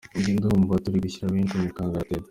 Njye ndumva turi gushyira benshi mu kangaratete.